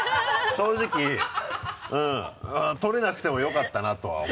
正直取れなくてもよかったなとは思う。